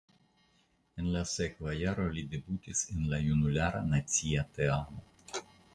En la sekva jaro li debutis en la junulara nacia teamo.